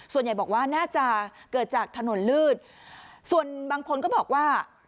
ส่วนใหญ่บอกว่าน่าจะเกิดจากถนนลืดส่วนบางคนก็บอกว่า